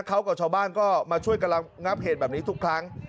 เขากับชาวบ้านก็มาช่วยกำลังงับเหตุแบบนี้ทุกครั้ง